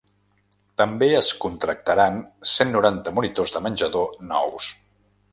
També es contractaran cent noranta monitors de menjador nous.